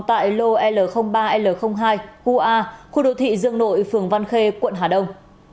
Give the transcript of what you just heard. tại lô l ba l hai qa khu đô thị dương nội phường văn khê quận hà đông